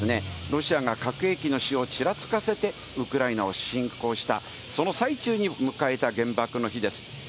ロシア核兵器の使用をちらつかせて、ウクライナを侵攻した、その最中に迎えた原爆の日です。